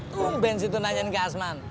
tungguin situ nanyain kasman